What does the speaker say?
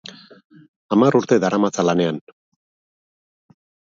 Hamar urte daramatza lanean.